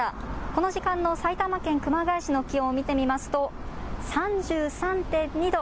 この時間の埼玉県熊谷市の気温を見てみますと３３．２度。